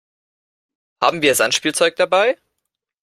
Haben wir Sandspielzeug dabei?